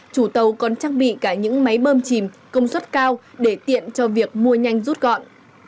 chủ tàu còn trang bị cả những máy bơm chìm công suất cao để tiện cho việc mua nhanh rút gọn